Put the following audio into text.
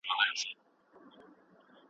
چي دا تاریخي مېله پاته نسي